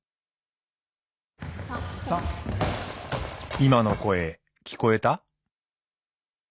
今の声聞こえた？